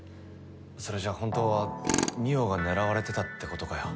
それじゃあ本当は望緒が狙われてたって事かよ。